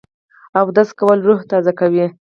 اودس کول روح تازه کوي